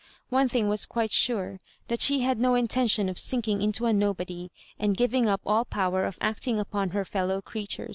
One thing was quite sure, that she had no intention of sinking into a nobody, and giving up all power of acting upon her fellow creature?